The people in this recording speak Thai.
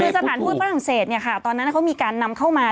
คือสถานทูตฝรั่งเศสตอนนั้นเขามีการนำเข้ามา